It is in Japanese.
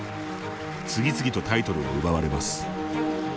次々とタイトルを奪われます。